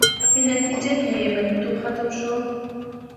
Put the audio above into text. په نتیجه کې یې مریتوب ختم شو.